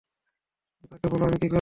তাকে বলো আমি কি করছি।